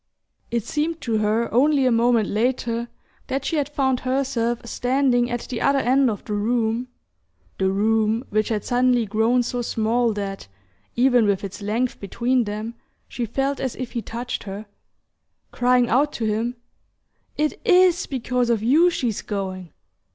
It seemed to her only a moment later that she had found herself standing at the other end of the room the room which had suddenly grown so small that, even with its length between them, she felt as if he touched her crying out to him "It IS because of you she's going!"